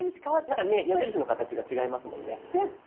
なんかね矢印の形が違いますもんね。